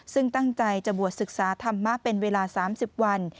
ซึ่งตั้งใจจะบวชศึกษาธรรมะเป็นเวลา๓๐วัน